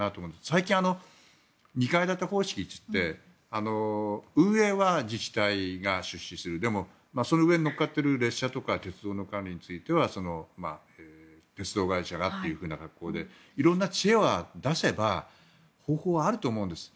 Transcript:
最近、２階建て方式といって運営は自治体が出資するでも、その上に乗っかっている列車、鉄道の管理は鉄道会社がという格好で色んな知恵を出せば方法はあると思うんです。